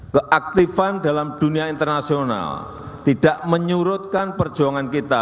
keaktifan dalam dunia internasional tidak menyurutkan perjuangan kita